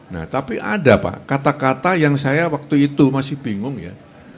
nah tapi ada pak kata kata yang saya waktu itu masih bingung ya